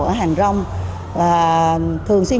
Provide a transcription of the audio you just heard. ở hàng rong và thường xuyên